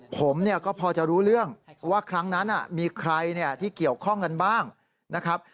ผมเนี่ยก็พอจะรู้เรื่องว่าครั้งนั้นมีใครที่เกี่ยวข้องกันบ้างนะครับ